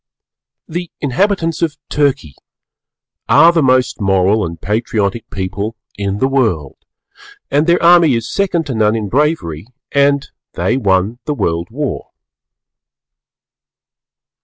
The inhabitants of Turkey are the most Moral and Patriotic people in the World, and their army is second to none in bravery and they won the World War.